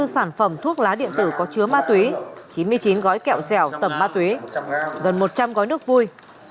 một trăm linh bốn sản phẩm thuốc lá điện tử có chứa ma túy chín mươi chín gói kẹo xẻo tầm ma túy gần một trăm linh gói nước vui